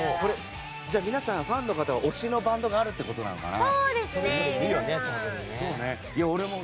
皆さんファンの方は推しのバンドがあるってことかな。